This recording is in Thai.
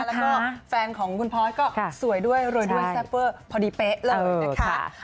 แล้วก็แฟนของคุณพอร์ตก็สวยด้วยรวยด้วยแซ่เวอร์พอดีเป๊ะเลยนะคะ